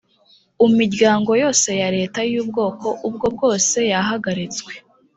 umiryango yose ya leta yubwoko ubwo bwose yahagaritswe